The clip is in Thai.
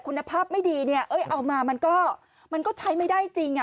คุณภาพไม่ดีเนี่ยเอ้ยเอามามันก็มันก็ใช้ไม่ได้จริงอ่ะ